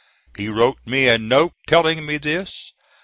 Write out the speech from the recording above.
He wrote me a note telling me this.